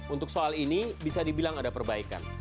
untuk soal ini bisa dibilang ada perbaikan